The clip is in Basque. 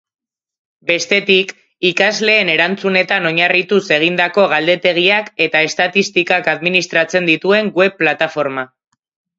Bestetik, ikasleen erantzunetan oinarrituz egindako galdetegiak eta estatistikak administratzen dituen web plataforma.